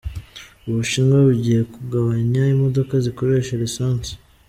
Ubushinwa bugiye kugabanya imodoka zikoresha lisansi.